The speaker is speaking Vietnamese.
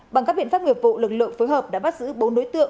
bằng các biện pháp nghiệp vụ lực lượng phối hợp đã bắt giữ bốn đối tượng